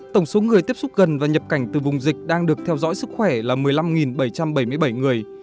tổng số người tiếp xúc gần và nhập cảnh từ vùng dịch đang được theo dõi sức khỏe là một mươi năm bảy trăm bảy mươi bảy người